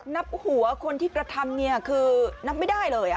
นับหัวคนที่กระทำคือนับไม่ได้เลย